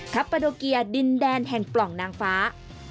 ปาโดเกียร์ดินแดนแห่งปล่องนางฟ้า